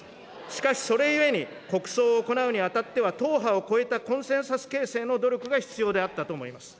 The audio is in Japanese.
しかしそれゆえに、国葬を行うにあたっては、党派を超えたコンセンサス形成の努力が必要であったと思います。